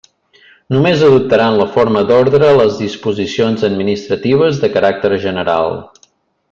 Només adoptaran la forma d'orde les disposicions administratives de caràcter general.